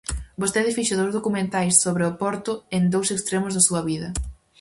Vostede fixo dous documentais sobre o Porto en dous extremos da súa vida.